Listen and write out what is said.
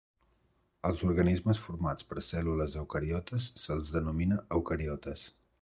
Als organismes formats per cèl·lules eucariotes se'ls denomina eucariotes.